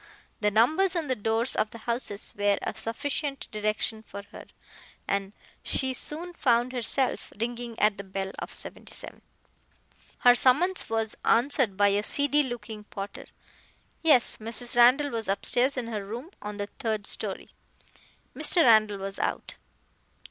The numbers on the doors of the houses were a sufficient direction for her, and she soon found herself ringing at the bell of 77. Her summons was answered by a seedy looking porter. Yes, Mrs. Randall was upstairs in her room on the third story. Mr. Randall was out.